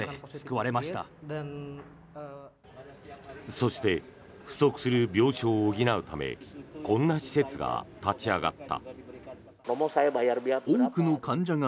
そして不足する病床を補うためこんな施設が立ち上がった。